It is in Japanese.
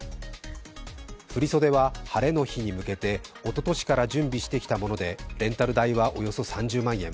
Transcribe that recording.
振り袖は晴れの日に向けておととしから準備してきたものでレンタル代はおよそ３０万円。